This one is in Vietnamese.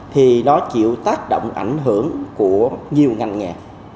thì nó chịu tác động ảnh hưởng của nhiều ngành nghề